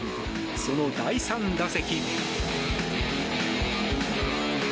その第３打席。